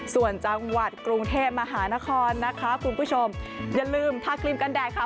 ส่วนจังหวัดกรุงเทพมหานครนะคะคุณผู้ชมอย่าลืมทาครีมกันแดดค่ะ